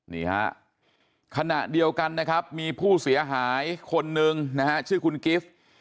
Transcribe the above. นี่ฮะขณะเดียวกันนะครับมีผู้เสียหายคนนึงนะฮะชื่อคุณกิฟต์